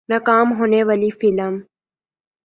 ناکام ہونے والی فلم